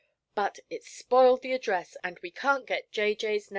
But it's spoiled the address; we can't get J.